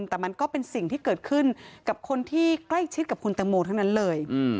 แต่มันก็เป็นสิ่งที่เกิดขึ้นกับคนที่ใกล้ชิดกับคุณตังโมทั้งนั้นเลย